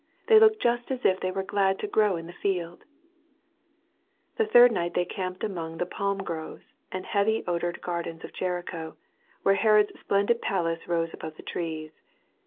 They kxk joBt M if they were ^bd to grow in the fielcL^ The third ni^t they camped among the pahn groves and heavy odoted gardens ct Jeridio, where Herod^s splendid palace rose above the trees.